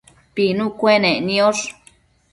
pinu cuenec niosh